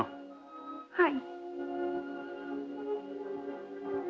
はい。